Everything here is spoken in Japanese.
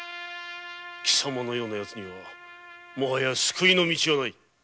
貴様のようなヤツには救いの道はない。